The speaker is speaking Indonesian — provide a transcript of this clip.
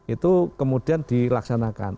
itu kemudian dilaksanakan